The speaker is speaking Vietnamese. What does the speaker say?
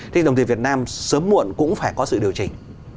thì đồng tiền việt nam sớm muộn cũng phải có sự điều chỉnh